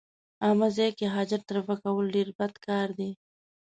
عامه ځای کې حاجت رفع کول ډېر بد کار دی.